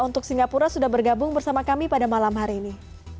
untuk singapura sudah bergabung bersama kami pada malam hari ini